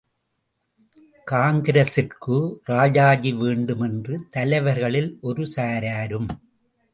காங்கிரசிற்கு ராஜாஜி வேண்டும் என்று தலைவர்களில் ஒரு சாராரும்.